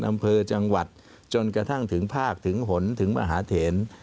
อำเภอจังหวัดจนกระทั่งถึงภาคถึงหนถึงมหาเถน